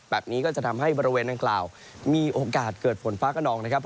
แบบนี้ก็จะทำให้บริเวณดังกล่าวมีโอกาสเกิดฝนฟ้ากระนองนะครับ